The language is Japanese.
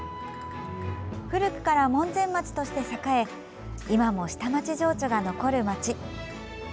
古くから門前町として栄え今も下町情緒が残る町。